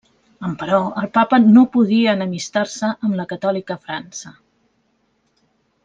Emperò, el Papa no podia enemistar-se amb la catòlica França.